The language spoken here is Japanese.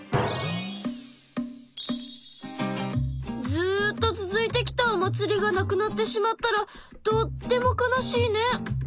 ずっと続いてきたお祭りがなくなってしまったらとっても悲しいね。